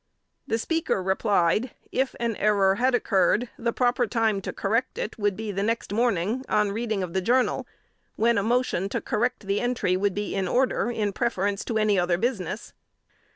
The Speaker replied, if an error had occurred, the proper time to correct it would be the next morning, on reading the Journal, when a motion to correct the entry would be in order, in preference to any other business.